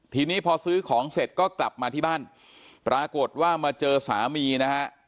ทีนี้พอซื้อของเสร็จก็กลับมาที่บ้านปรากฏว่ามาเจอสามีนะฮะ